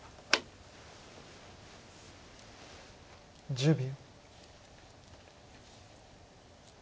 １０秒。